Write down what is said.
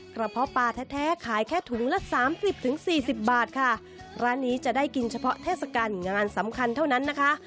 เพาะปลาแท้แท้ขายแค่ถุงละสามสิบถึงสี่สิบบาทค่ะร้านนี้จะได้กินเฉพาะเทศกาลงานสำคัญเท่านั้นนะคะ